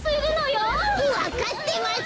わかってます！